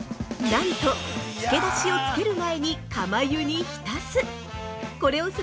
◆なんと、つけだしをつける前に釜湯に浸す。